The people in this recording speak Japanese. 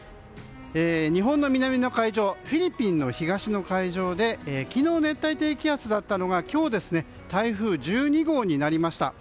日本の南の海上フィリピンの南の海上で昨日、熱帯低気圧だったのが今日台風１２号になりました。